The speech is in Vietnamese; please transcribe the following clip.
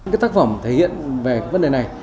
cái tác phẩm thể hiện về vấn đề này